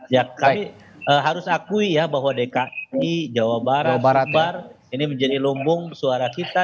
ya kami harus akui ya bahwa dki jawa barat jebar ini menjadi lumbung suara kita